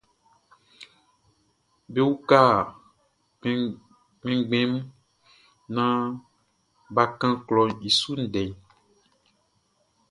Be uka kpɛnngbɛn mun naan bʼa kan klɔʼn i su ndɛ.